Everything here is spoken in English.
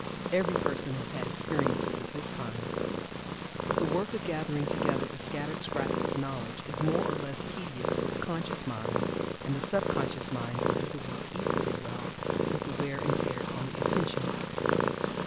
Every person has had experiences of this kind. But the work of gathering together the scattered scraps of knowledge is more or less tedious for the conscious mind, and the sub conscious mind will do the work equally well with the wear and tear on the attention.